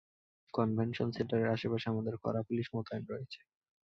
Convention সেন্টারের আশেপাশে আমাদের কড়া পুলিশ মোতায়েন রয়েছে।